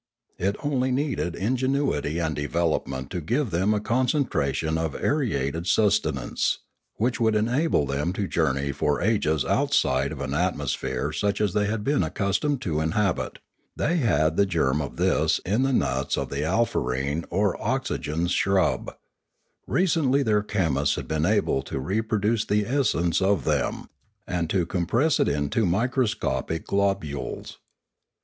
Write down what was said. It only needed ingenuity and development to give them a concentration of aerated sustenance, which would enable them to journey for ages outside of an at mosphere such as they had been accustomed to inhabit; they had the germ of this in the nuts of the alfarene or oxygen shrub ; recently their chemists had been able to reproduce the essence of them, and to compress it into microscopic globules.